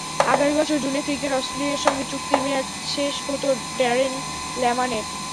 আগামী বছর জুনে ক্রিকেট অস্ট্রেলিয়ার সঙ্গে চুক্তির মেয়াদ শেষ হতো ড্যারেন লেম্যানের।